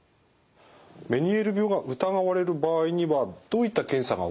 メニエール病が疑われる場合にはどういった検査が行われますか？